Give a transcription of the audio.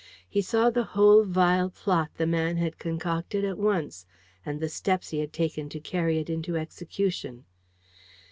He saw the whole vile plot the man had concocted at once, and the steps he had taken to carry it into execution.